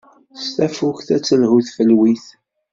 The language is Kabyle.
S tafukt ad telhu tfelwit.